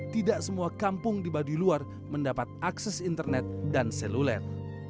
tidak semua kampung di baduy luar mendapat akses internet dan seluler